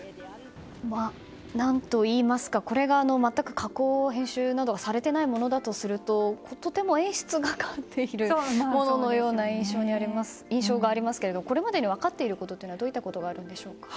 何と言いますかこれが全く加工・編集などされていないものだとするととても演出がかっているような印象がありますがこれまでに分かっていることはどういったことあるんでしょうか。